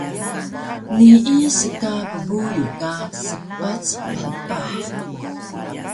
Nii ska bbuyu ka spac phpah